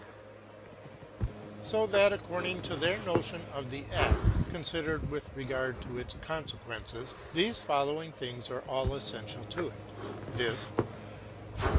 § 2 So that according to their notion of the act, considered with regard to its consequences, these following things are all essential to it: viz.